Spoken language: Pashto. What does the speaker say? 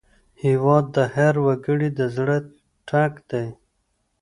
هېواد د هر وګړي د زړه ټک دی.